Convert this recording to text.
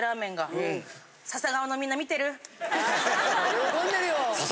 喜んでるよ。